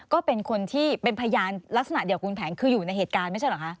ก็เป็นคนที่เป็นพยานลักษณะเดียวคุณแผนคืออยู่ในเหตุการณ์ไม่ใช่เหรอคะ